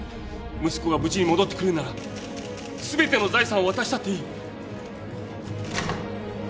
息子が無事に戻ってくるなら全ての財産を渡したっていい。